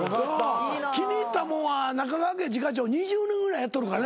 気に入ったもんは中川家次課長２０年ぐらいやっとるからな。